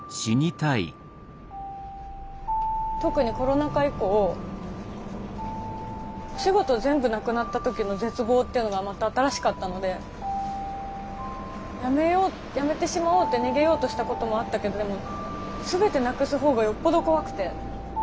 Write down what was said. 特にコロナ禍以降お仕事全部なくなった時の絶望っていうのがまた新しかったのでやめようやめてしまおうって逃げようとしたこともあったけどでも全てなくす方がよっぽど怖くて。